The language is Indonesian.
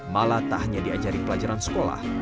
mala tak hanya diajari pelajaran sekolah